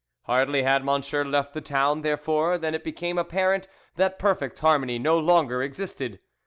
Hardly had Monsieur left the town, therefore, than it became apparent that perfect harmony no longer existed.